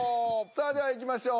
さあではいきましょう。